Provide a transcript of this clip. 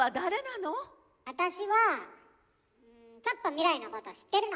あたしはちょっと未来のこと知ってるの。